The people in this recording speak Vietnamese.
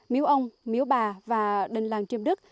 miếu ông miếu bà và đình làng triêm đức